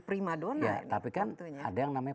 prima dona tapi kan ada yang namanya